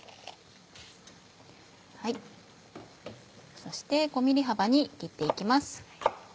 そして５ｍｍ幅に切って行きます。